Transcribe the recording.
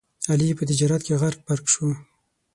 علي په تجارت کې غرق پرق شو.